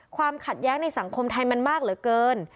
ความขัดแย้งในสังคมไทยมันมากเหลือเกิน